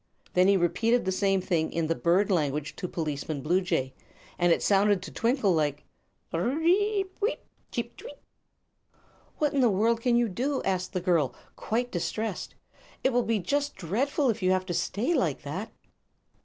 Then he repeated the same thing in the bird language to Policeman Bluejay, and it sounded to Twinkle like: "Pir r r r eep cheep tweet!" "What in the world can you do?" asked the girl, quite distressed. "It will be just dreadful if you have to stay like that."